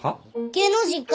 芸能人か？